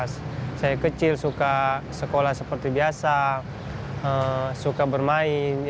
saya kecil suka sekolah seperti biasa suka bermain